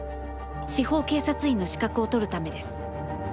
司法警察員の資格を取るためです。